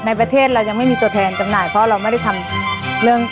ในประเทศเรายังไม่มีตัวแทนจำหน่ายเพราะเราไม่ได้ทำเรื่อง